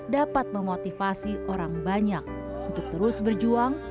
dapat memotivasi orang banyak untuk terus berjuang